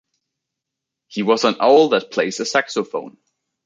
He was an owl that plays a saxophone.